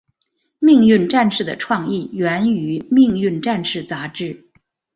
命运战士的创意源于命运战士杂志。